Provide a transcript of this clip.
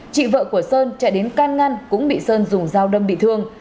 chị vợ của sơn chạy đến can ngăn cũng bị sơn dùng dao đâm bị thương